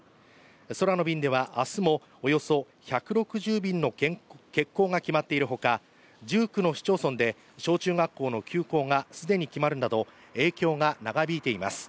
空の便では明日もおよそ１６０便の欠航が決まっているほか１９の市町村で小中学校の休校が既に決まるなど影響が長引いています。